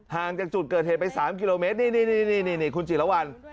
ห่างจากจุดเกิดเหตุไป๓กิโลเมตรนี่คุณจิรวรรณ